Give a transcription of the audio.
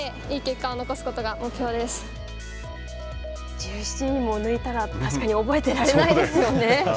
１７人も抜いたら確かに覚えてられないですよね。